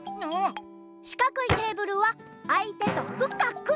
しかくいテーブルはあいてとふかくつながれる。